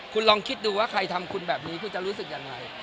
คุณลองคิดดูว่าใครทำคุณแบบนี้คุณจะรู้สึกยังไง